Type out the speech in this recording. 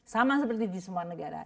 sama seperti di semua negara